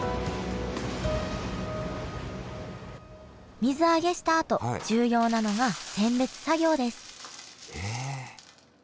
水揚げしたあと重要なのが選別作業ですへえ！